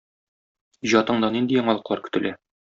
Иҗатыңда нинди яңалыклар көтелә?